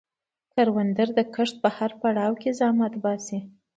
کروندګر د کښت په هر پړاو کې زحمت باسي